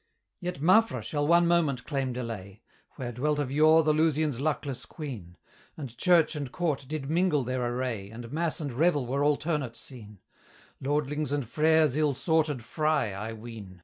Yet Mafra shall one moment claim delay, Where dwelt of yore the Lusians' luckless queen; And church and court did mingle their array, And mass and revel were alternate seen; Lordlings and freres ill sorted fry, I ween!